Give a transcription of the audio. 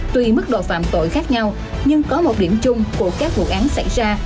tùy mức độ phạm tội khác nhau nhưng có một điểm chung của các vụ án xảy ra